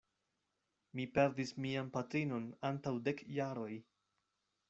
Mi perdis mian patrinon antaŭ dek jaroj.